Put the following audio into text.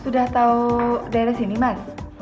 sudah tahu daerah sini mas